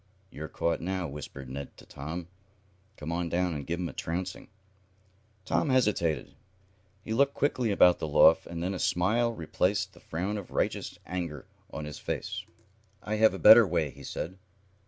"You're caught now," whispered Ned to Tom. "Come on down, and give 'em a trouncing." Tom hesitated. He looked quickly about the loft, and then a smile replaced the frown of righteous anger on his face. "I have a better way," he said.